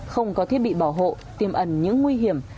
không có thiết bị bảo hộ tiềm ẩn những nguy hiểm